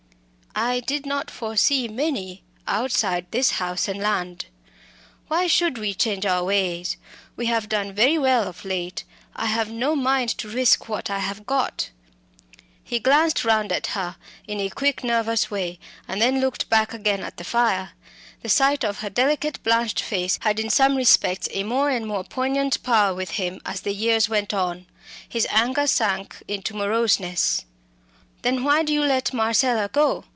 "I did not foresee many, outside this house and land. Why should we change our ways? We have done very well of late. I have no mind to risk what I have got." He glanced round at her in a quick nervous way, and then looked back again at the fire. The sight of her delicate blanched face had in some respects a more and more poignant power with him as the years went on. His anger sank into moroseness. "Then why do you let Marcella go?